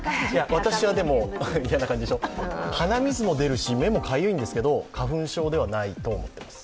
私は鼻水も出るし、目もかゆいんですけど、花粉症ではないと思っています。